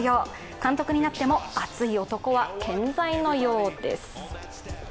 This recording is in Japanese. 監督になっても熱い男は健在のようです。